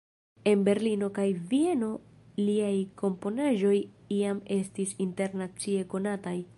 En Berlino kaj Vieno liaj komponaĵoj jam estis internacie konataj.